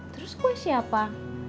terus kue siapa